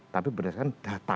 tapi berdasarkan data